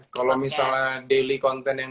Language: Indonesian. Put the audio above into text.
kalau misalnya daily konten yang